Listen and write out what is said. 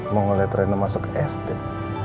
mau ngeliat rina masuk s tim